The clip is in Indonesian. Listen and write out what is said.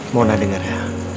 mona denger ya